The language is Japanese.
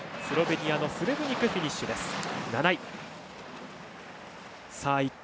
スロベニアのスレブニクフィニッシュです。